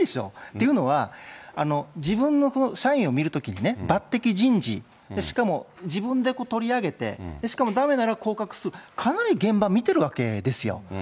というのは、自分の社員を見るときにね、抜てき人事、しかも自分で取り上げて、しかもだめなら降格する、かなり現場見てるわけですよ。